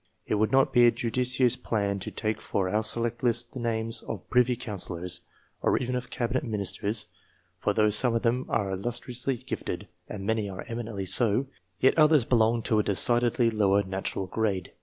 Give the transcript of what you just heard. It would not be a judicious plan to take for our select list the names of privy councillors, or even of Cabinet ministers; for though some of them are illustriously gifted, and many are eminently so, yet others belong to a decidedly lower natural grade.